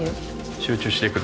集中していくぞ